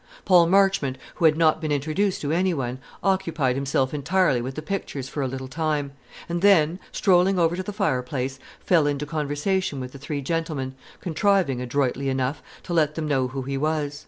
Paul Marchmont, who had not been introduced to any one, occupied himself entirely with the pictures for a little time; and then, strolling over to the fireplace, fell into conversation with the three gentlemen, contriving, adroitly enough, to let them know who he was.